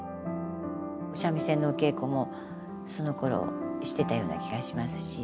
お三味線のお稽古もそのころしてたような気がしますし。